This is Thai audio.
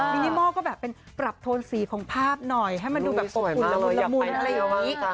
มินิมอลก็แบบเป็นปรับโทนสีของภาพหน่อยให้มันดูแบบอุ่นอะไรอย่างนี้